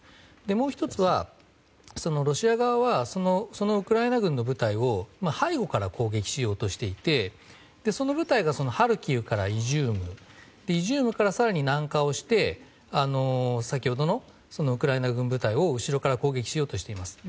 もう１つはロシア側はそのウクライナ軍の部隊を背後から攻撃しようとしていてその部隊がハルキウからイジュームイジュームから更に南下をして先ほどのウクライナ軍部隊を後ろから攻撃しようとしています。